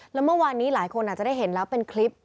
แล้วเมื่อวานนี้หลายคนอาจจะได้เห็นแล้วเป็นคลิป